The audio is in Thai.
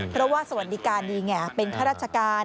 เพราะว่าสวัสดิการดีไงเป็นข้าราชการ